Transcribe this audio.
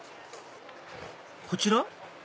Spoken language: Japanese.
こちら？